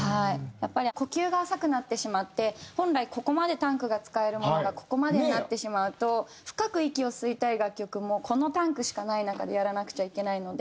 やっぱり呼吸が浅くなってしまって本来ここまでタンクが使えるものがここまでになってしまうと深く息を吸いたい楽曲もこのタンクしかない中でやらなくちゃいけないので。